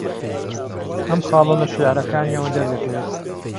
ئەم خاڵە لە شێعرەکانییەوە دەردەکەوێت